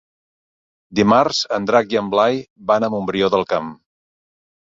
Dimarts en Drac i en Blai van a Montbrió del Camp.